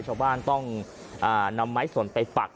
ชาวบ้านต้องนำไม้สนไปปัก